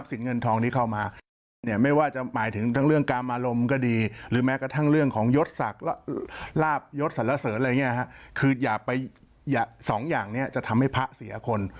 สองอย่างเนี่ยจะทำให้พระเสียคน